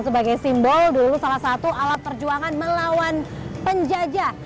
sebagai simbol dulu salah satu alat perjuangan melawan penjajah